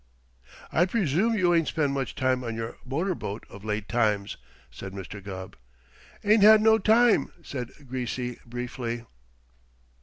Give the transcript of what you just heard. "I presume you ain't spent much time on your motor boat of late times," said Mr. Gubb. "Ain't had no time," said Greasy briefly.